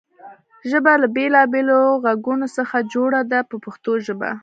ژبه له بېلابېلو غږونو څخه جوړه ده په پښتو ژبه.